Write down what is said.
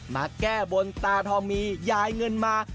มาแก้บนตาทองมียายเงินมา